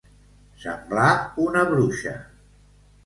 Semblar una bruixa.